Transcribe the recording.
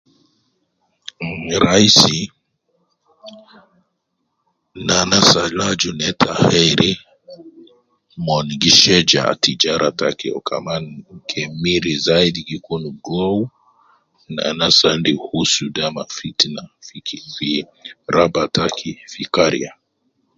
Um raisi ,ne anas al aju neta khairi, mon gi sheja tijara taki kaman kemiri zaidi gi kun gowu na anas al endi husuda ma fitina fi fi raba taki fi kariya